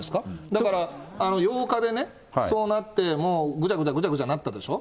だから８日でね、そうなって、もうぐじゃぐじゃぐじゃぐじゃなったでしょ。